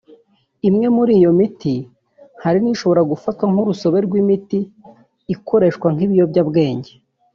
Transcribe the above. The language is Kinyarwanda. Imwe muri iyo miti hari n’ishobora gufatwa nk’urusobe rw’imiti ikoreshwa nk’ibiyobyabwenge